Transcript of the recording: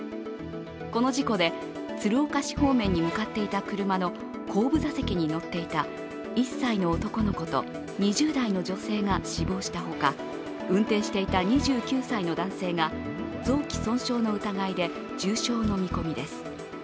この事故で、鶴岡市方面に向かっていた車の後部座席に乗っていた１歳の男の子と２０代の女性が死亡したほか、運転していた２９歳の男性が臓器損傷の疑いで重傷の見込みです。